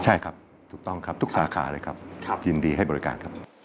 ใช่ครับถูกต้องครับทุกสาขาเลยครับยินดีให้บริการครับ